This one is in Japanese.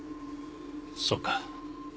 そうか。